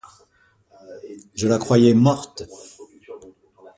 Je la croyais morte.